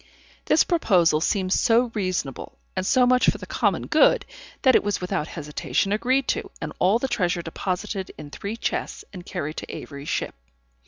This proposal seemed so reasonable, and so much for the common good, that it was without hesitation agreed to, and all the treasure deposited in three chests, and carried to Avery's ship.